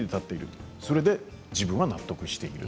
それで自分は納得している。